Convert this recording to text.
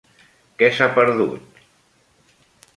Què s'ha perdut?